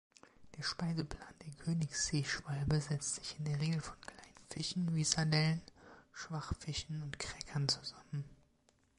Der Speiseplan der Königsseeschwalbe setzt sich in der Regel von kleinen Fischen wie Sardellen, Schwachfischen und Kräckern zusammen.